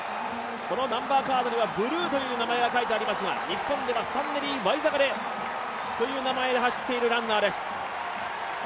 このナンバーカードにはブルーという名前が書いてありますが、日本ではスタンネリー・ワイザカという名前で走っているランナーです。